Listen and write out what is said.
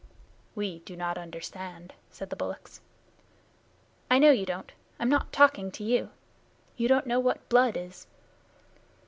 "We do not understand," said the bullocks. "I know you don't. I'm not talking to you. You don't know what blood is."